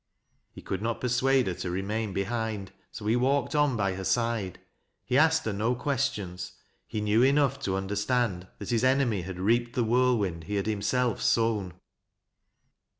He could not persuade her to remain behind, bo he walked on by her side. He asked her no questions. He knew enough to understand that his enemy had reaped the whirlwind he had himself sown.